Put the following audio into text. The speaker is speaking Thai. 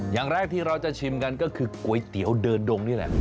อย่างแรกที่เราจะชิมกันก็คือก๋วยเตี๋ยวเดินดงนี่แหละ